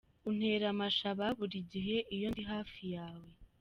Untera amashaba buri gihe iyo ndi hafi yawe.